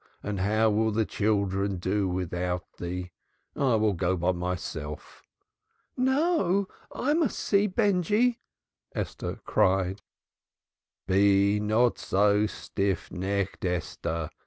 And how will the children do without thee? I will go by myself." "No, I must see Benjy!" Esther cried. "Be not so stiff necked, Esther!